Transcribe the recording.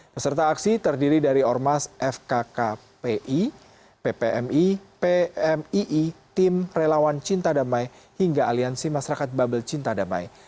peserta aksi terdiri dari ormas fkkpi ppmi pmii tim relawan cinta damai hingga aliansi masyarakat babel cinta damai